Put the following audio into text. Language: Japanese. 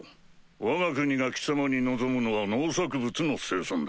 わが国が貴様に望むのは農作物の生産だ。